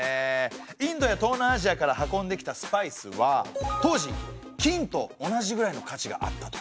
インドや東南アジアから運んできたスパイスは当時金と同じぐらいの価値があったとか。